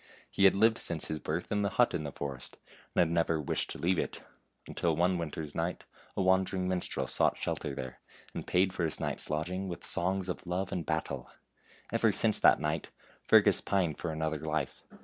He had lived since his birth in the hut in the forest, and had never wished to leave it, until one winter night a wan dering minstrel sought shelter there, and paid for his night's lodging with songs of love and battle. Ever since that night Fergus pined for another life.